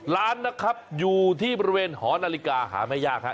ร้านนะครับอยู่ที่บริเวณหอนาฬิกาหาไม่ยากฮะ